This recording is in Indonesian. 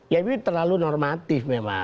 ya ini terlalu normatif memang